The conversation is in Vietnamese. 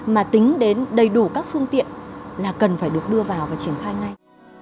mà tính đến đầy đủ các phương tiện là cần phải được đưa vào và triển khai ngay